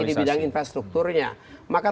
di bidang infrastrukturnya maka